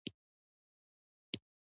اوښ د افغان کلتور سره تړاو لري.